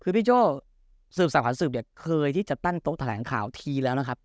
คือพี่โจ้สืบสาวขวัญสืบเนี่ยเคยที่จะตั้งโต๊ะแถลงข่าวทีแล้วนะครับ